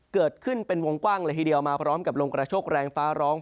เกิดขึ้นเป็นวงกว้างเลยทีเดียวมาพร้อมกับลมกระโชคแรงฟ้าร้อง